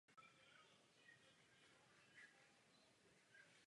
Za normalizace začala Dobrá Voda opět upadat.